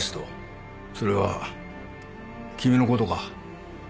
それは君のことか？